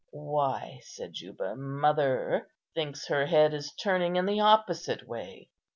"Why," said Juba, "mother thinks her head is turning in the opposite way.